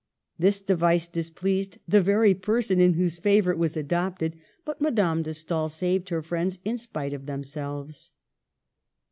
This device displeased the very person in whose favor it was adopted; but Madame de Stael saved her friends in spite of themselves.